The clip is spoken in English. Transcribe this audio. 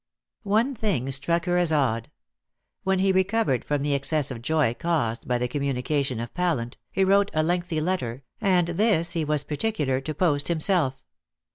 One thing struck her as odd. When he recovered from the excess of joy caused by the communication of Pallant, he wrote a lengthy letter, and this he was particular to post himself.